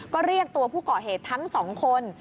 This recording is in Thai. ก็เรียกตัวผู้ก่อเหตุทั้งสองคน